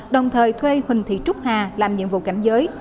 đồng thời thuê huỳnh thị trúc hà làm nhiệm vụ cảnh giới